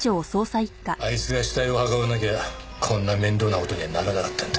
あいつが死体を運ばなきゃこんな面倒な事にはならなかったんだ。